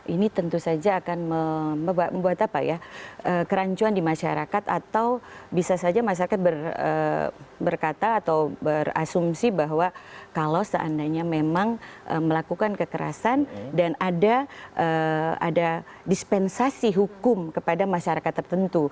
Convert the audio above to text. ini tentu saja akan membuat apa ya kerancuan di masyarakat atau bisa saja masyarakat berkata atau berasumsi bahwa kalau seandainya memang melakukan kekerasan dan ada dispensasi hukum kepada masyarakat tertentu